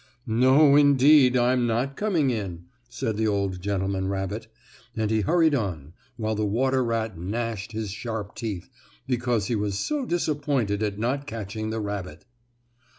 "No, indeed; I'm not coming in," said the old gentleman rabbit, and he hurried on, while the water rat gnashed his sharp teeth, because he was so disappointed at not catching the rabbit.